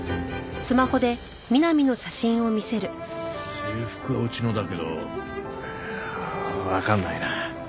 制服はうちのだけどわからないな。